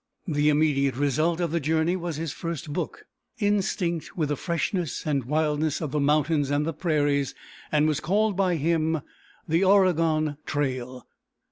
The immediate result of the journey was his first book, instinct with the freshness and wildness of the mountains and the prairies, and called by him "The Oregon Trail."